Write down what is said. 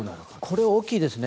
これは大きいですね。